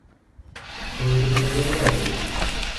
Что это за безобразие?